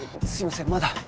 すいませんまだ。